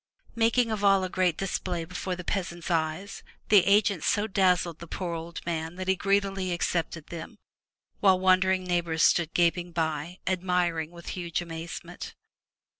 Making of all a great display before the peasant's eyes, the agent so dazzled the poor old man that he greedily accepted them, while wondering neigh bors stood gaping by, admiring with huge amazement.